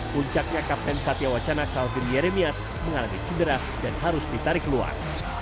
puncaknya kapten satya wacana kalvin yeremias mengalami cedera dan harus ditarik keluar